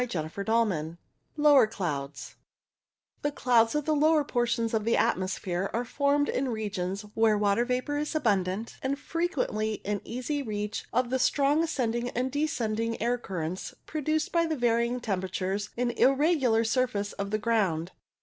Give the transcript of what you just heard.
CHAPTER V LOWER CLOUDS The clouds of the lower portions of the atmosphere are formed in regions where water vapour is abun dant, and frequently in easy reach of the strong ascending and descending air currents produced by the varying temperatures and irregular surface of the ground.